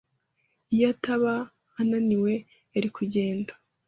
Iyo ataba ananiwe, yari kugenda.